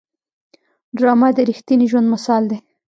ډرامه د رښتیني ژوند مثال دی